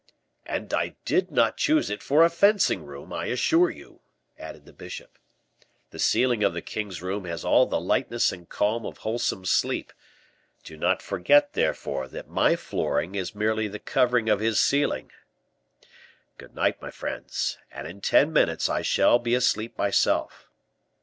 "And I did not choose it for a fencing room, I assure you," added the bishop. "The ceiling of the king's room has all the lightness and calm of wholesome sleep. Do not forget, therefore, that my flooring is merely the covering of his ceiling. Good night, my friends, and in ten minutes I shall be asleep myself."